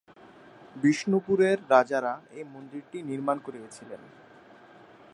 বিষ্ণুপুরের রাজারা এই মন্দিরটি নির্মাণ করিয়েছিলেন।